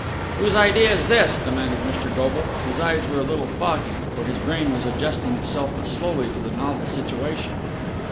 "Whose idea's this?" demanded Mr. Goble. His eyes were a little foggy, for his brain was adjusting itself but slowly to the novel situation.